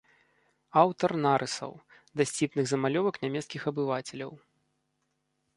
Аўтар нарысаў, дасціпных замалёвак нямецкіх абывацеляў.